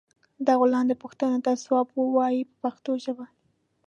دغو لاندې پوښتنو ته ځواب و وایئ په پښتو ژبه.